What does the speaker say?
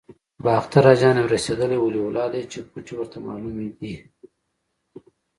باختر اجان یو رسېدلی ولي الله دی چې پټې ورته معلومې دي.